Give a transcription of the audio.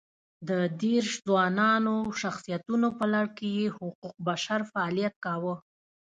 د دېرش ځوانو شخصیتونو په لړ کې یې حقوق بشر فعالیت کاوه.